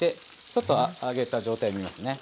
ちょっと揚げた状態見ますね。